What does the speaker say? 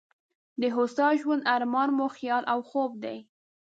د هوسا ژوند ارمان مو خیال او خوب دی.